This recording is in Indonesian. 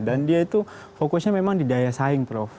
dan dia itu fokusnya memang di daya saing prof